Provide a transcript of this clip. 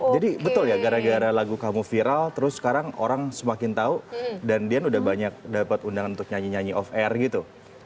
jadi betul ya gara gara lagu kamu viral terus sekarang orang semakin tau dan dian udah banyak dapat undangan untuk nyanyi nyanyi off air gitu